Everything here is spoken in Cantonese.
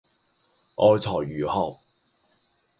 愛才如渴